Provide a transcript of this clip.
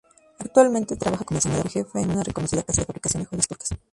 Actualmente, trabaja como diseñador jefa en una reconocida casa de fabricación de joyas turcas.